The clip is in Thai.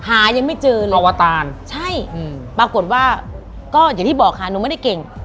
หายังไม่เจอเลยปรากฏว่าก็อย่างที่บอกค่ะหนูไม่ได้เก่ง